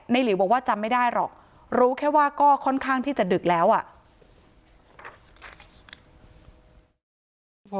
หลิวบอกว่าจำไม่ได้หรอกรู้แค่ว่าก็ค่อนข้างที่จะดึกแล้วอ่ะ